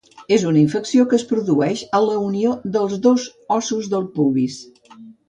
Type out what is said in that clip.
És una infecció que es produeix a la unió dels dos ossos del pubis